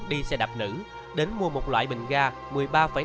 đến mua một loại bình gas